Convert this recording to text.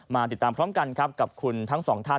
ติดตามพร้อมกันครับกับคุณทั้งสองท่าน